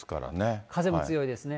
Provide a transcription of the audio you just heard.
風も強いですね。